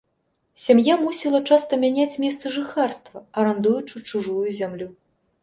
Сям'я мусіла часта мяняць месцы жыхарства, арандуючы чужую зямлю.